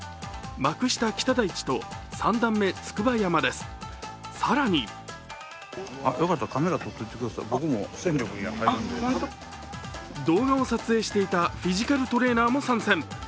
幕下・北大地と三段目・筑波山です、更に動画を撮影していてフィジカルトレーナーも参戦。